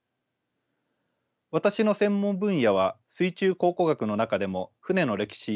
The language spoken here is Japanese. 私の専門分野は水中考古学の中でも船の歴史